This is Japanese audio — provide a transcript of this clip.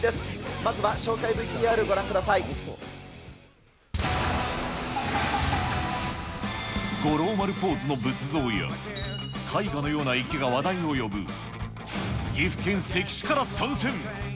まずは紹介ＶＴＲご覧五郎丸ポーズの仏像や、絵画のような池が話題を呼ぶ、岐阜県関市から参戦。